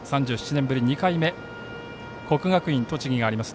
３７年ぶり２回目国学院栃木があります。